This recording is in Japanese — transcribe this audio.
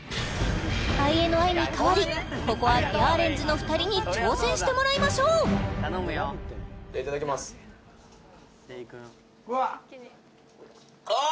ＩＮＩに代わりここはヤーレンズの２人に挑戦してもらいましょういただきますあー！